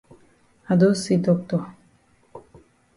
I don see doctor.